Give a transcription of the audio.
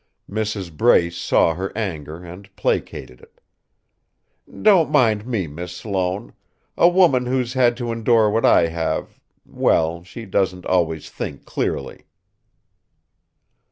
Mrs. Brace saw her anger, and placated it: "Don't mind me, Miss Sloane. A woman who's had to endure what I have well, she doesn't always think clearly."